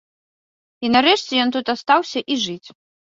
І нарэшце ён тут астаўся і жыць.